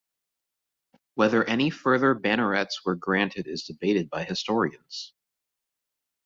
Whether any further bannerets were granted is debated by historians.